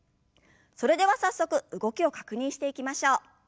それでは早速動きを確認していきましょう。